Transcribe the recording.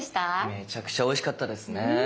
めちゃくちゃおいしかったですね。